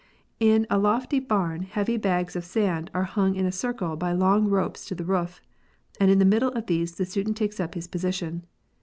In a lofty barn heavy bags of sand are hung in a circle by long ropes to the roof, and in the middle of these the student takes up his position.